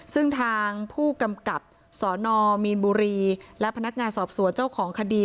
ซึ่งทางผู้กำกับสนมีนบุรีและพนักงานสอบสวนเจ้าของคดี